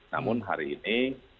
namun hari ini